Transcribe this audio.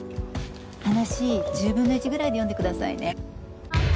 話１０分の１ぐらいで読んでくださいね。